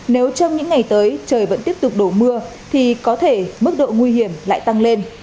nếu trong những ngày tới trời vẫn tiếp tục đổ mưa thì có thể mức độ nguy hiểm lại tăng lên